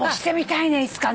いつかね